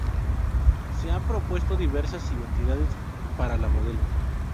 Se han propuesto diversas identidades para la modelo.